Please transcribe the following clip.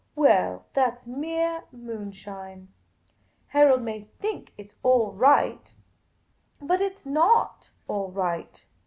Well, that 's mere moonshine. Harold may think it 's all right ; but it 's not all right.